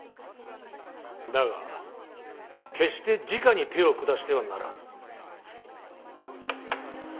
だが決してじかに手を下してはならん。